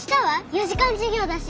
四時間授業だし。